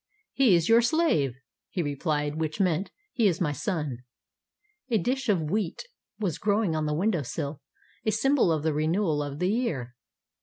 "He is your slave," he replied; which meant, "He is my son." A dish of wheat was growing on the window sill, a sym bol of the renewal of the year.